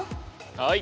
はい。